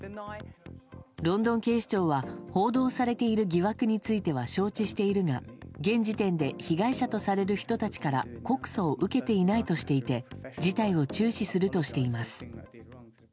ロンドン警視庁は報道されている疑惑については承知しているが現時点で被害者とされる人たちから告訴を受けていないとしていて事態を注視するとしています。